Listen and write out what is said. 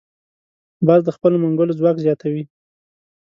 باز د خپلو منګولو ځواک زیاتوي